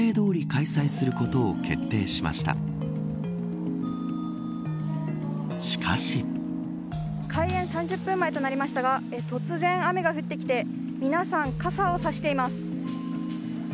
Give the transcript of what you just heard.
開演３０分前となりましたが突然、雨が降ってきて皆さん傘をさしています。